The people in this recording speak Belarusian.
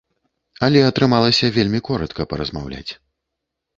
Але атрымалася вельмі коратка паразмаўляць.